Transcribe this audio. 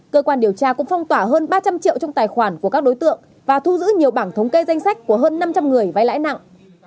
cơ quan điều tra cũng phong tỏa hơn ba trăm linh triệu trong tài khoản của các đối tượng và thu giữ nhiều bảng thống kê danh sách của hơn năm trăm linh người vai lãi nặng